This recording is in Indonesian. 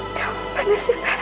aduh panasnya padah